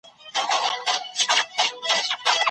ميرويس خان نيکه د پردیو د واکمنۍ څخه څنګه کرکه لرله؟